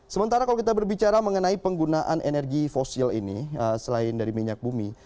sementara kalau kita berbicara mengenai penggunaan energi fosil ini selain dari minyak bumi